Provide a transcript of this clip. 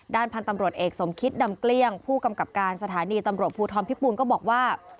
พันธุ์ตำรวจเอกสมคิตดำเกลี้ยงผู้กำกับการสถานีตำรวจภูทรพิปูนก็บอกว่า